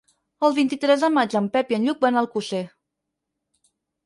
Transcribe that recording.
El vint-i-tres de maig en Pep i en Lluc van a Alcosser.